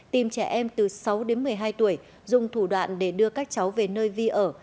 tìm trẻ em từ sáu đến một mươi hai tuổi dùng thủ đoạn để đưa các cháu về nơi vi ở